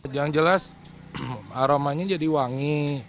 yang jelas aromanya jadi wangi